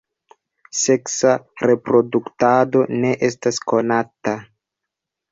Seksa reproduktado ne estas konata.